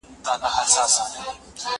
زه اوږده وخت د تکړښت لپاره ځم